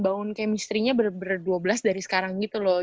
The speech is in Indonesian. bangun kemistrinya ber dua belas dari sekarang gitu loh